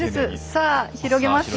さあ広げますよ。